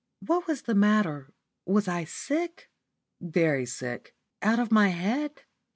"What was the matter? Was I sick?" "Very sick." "Out of my head?"